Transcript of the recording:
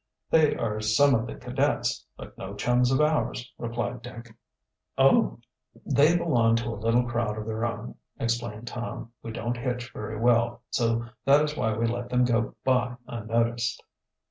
"They are some of the cadets, but no chums of ours," replied Dick. "Oh!" "They belong to a little crowd of their own." explained Tom. "We don't hitch very well, so that is why we let them go by unnoticed."